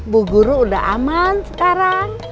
bu guru udah aman sekarang